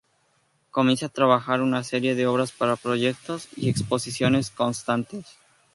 Comienza a trabajar una serie de obras para proyectos y exposiciones constantes.